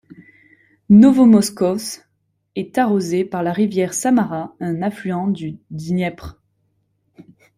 Novomoskovsk est arrosée par la rivière Samara, un affluent du Dniepr.